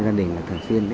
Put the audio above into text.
gia đình là thường xuyên